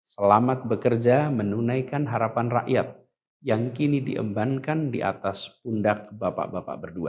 selamat bekerja menunaikan harapan rakyat yang kini diembankan di atas pundak bapak bapak berdua